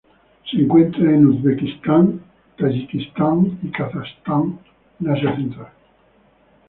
Se encuentra en Uzbekistán, Tayikistán y Kazajstán en Asia central.